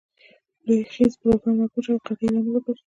لوی خیز پروګرام ناکام شو او د قحطي لامل ګړ.